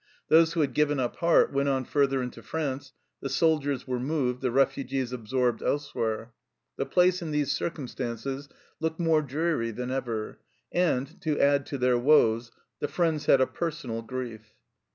Those who had given up heart went on further into France, the soldiers were moved, the refugees absorbed else where. The place in these circumstances looked more dreary than ever, and, to add to their woes, the friends had a personal grief.